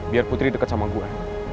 biar putri dekat sama gue